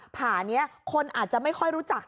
ผ่านี้คนอาจจะไม่ค่อยรู้จัก